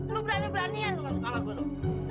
lu berani beranian masuk sama gua lu